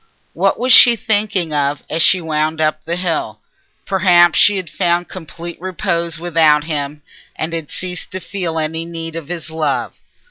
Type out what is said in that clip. What was she thinking of as she wound up the hill? Perhaps she had found complete repose without him, and had ceased to feel any need of his love.